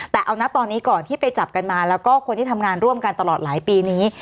แต่เอานะตอนนี้ก่อนที่ไปจับกันมาแล้วก็คนที่ทำงานร่วมกันตลอดหลายปีนี้